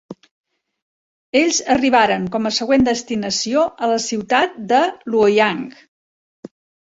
Ells arribaren com a següent destinació a la ciutat de Luoyang.